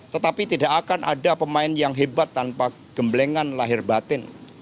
tetapi tidak akan ada pemain yang hebat tanpa gembelengan lahir batin